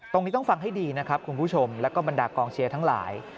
ต้องฟังให้ดีนะครับคุณผู้ชมแล้วก็บรรดากองเชียร์ทั้งหลาย